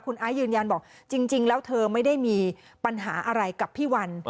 ไอซ์ยืนยันบอกจริงแล้วเธอไม่ได้มีปัญหาอะไรกับพี่วัน